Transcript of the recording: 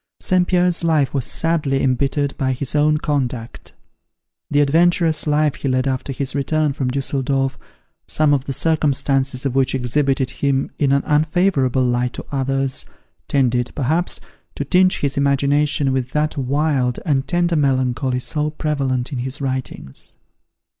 St. Pierre's life was sadly embittered by his own conduct. The adventurous life he led after his return from Dusseldorf, some of the circumstances of which exhibited him in an unfavourable light to others, tended, perhaps, to tinge his imagination with that wild and tender melancholy so prevalent in his writings.